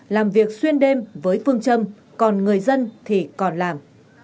làm việc xuyên đêm với phương châm còn người dân thì còn làm